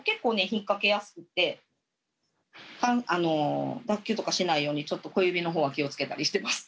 引っ掛けやすくてあの脱臼とかしないようにちょっと小指の方は気をつけたりしてます。